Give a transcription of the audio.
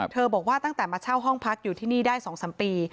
บอกว่าตั้งแต่มาเช่าห้องพักอยู่ที่นี่ได้๒๓ปี